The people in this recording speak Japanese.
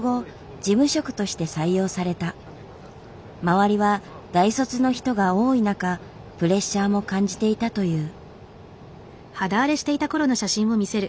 周りは大卒の人が多い中プレッシャーも感じていたという。